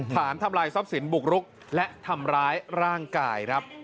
ทำลายทรัพย์สินบุกรุกและทำร้ายร่างกายครับ